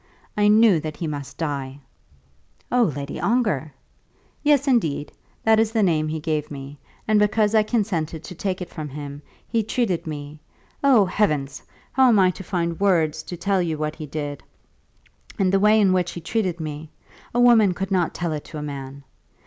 I knew that he must die!" "Oh, Lady Ongar!" "Yes, indeed; that is the name he gave me; and because I consented to take it from him, he treated me; O heavens! how am I to find words to tell you what he did, and the way in which he treated me. A woman could not tell it to a man.